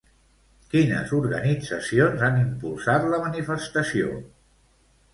Quines organitzacions han impulsat la manifestació?